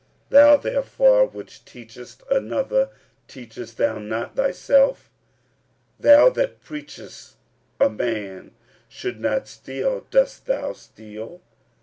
45:002:021 Thou therefore which teachest another, teachest thou not thyself? thou that preachest a man should not steal, dost thou steal?